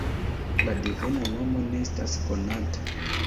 La devena nomo ne estas konata.